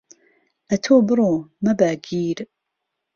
ئهتۆ بڕو مهبه گیر